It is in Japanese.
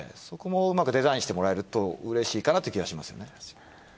そこもうまくデザインしてもらえるとうれしいかなって気はしますよね。